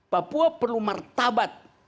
papua perlu martabat